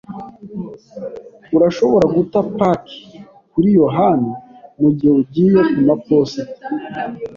Urashobora guta paki kuri yohani mugihe ugiye kumaposita?